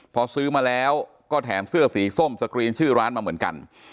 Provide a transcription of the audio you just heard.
พอซื้อมาแล้วก็แถมเสื้อสีส้มสกรีนชื่อร้านมาเหมือนกัน